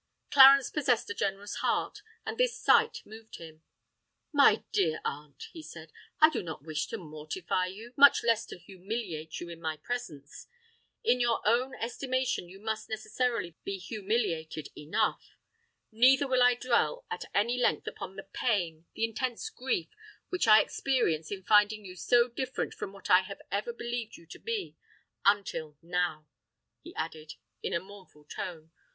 Clarence possessed a generous heart; and this sight moved him. "My dear aunt," he said, "I do not wish to mortify you—much less to humiliate you in my presence. In your own estimation you must necessarily be humiliated enough. Neither will I dwell at any length upon the pain—the intense grief which I experience in finding you so different from what I have ever believed you to be—until now!" he added, in a mournful tone.